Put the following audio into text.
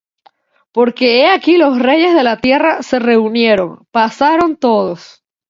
Porque he aquí los reyes de la tierra se reunieron; Pasaron todos.